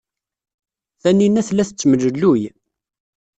Tanina tella tettemlelluy.